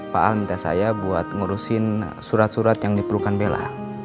pak a minta saya buat ngurusin surat surat yang diperlukan bella